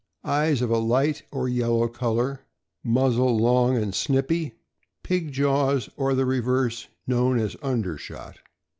Eyes of a light or yellow color. Muzzle long and snipy. Pig jaws or the reverse, known as under shot.